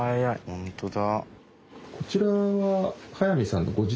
本当だ。